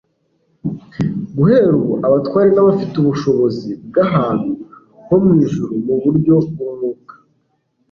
Guhera ubu abatware n'abafite ubushobozi bw'ahantu ho mu ijuru mu buryo bw'umwuka